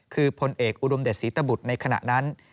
คือพลเอกอุดมเดชศรีตบุตรในขณะนั้น